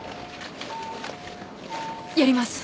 やります。